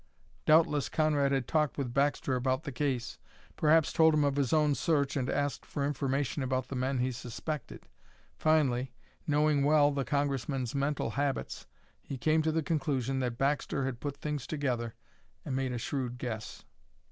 Doubtless Conrad had talked with Baxter about the case, perhaps told him of his own search and asked for information about the men he suspected. Finally, knowing well the Congressman's mental habits, he came to the conclusion that Baxter had put things together and made a shrewd guess.